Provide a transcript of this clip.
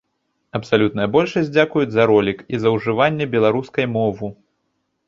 Абсалютная большасць дзякуюць за ролік і за ўжыванне беларускай мову.